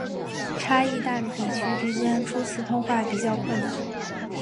差异大的地区之间初次通话比较困难。